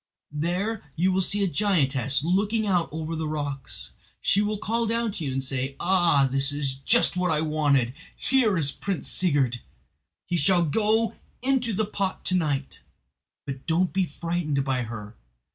There you will see a giantess looking out over the rocks. She will call down to you and say: 'Ah, this is just what I wanted! Here is Prince Sigurd. He shall go into the pot to night'; but don't be frightened by her.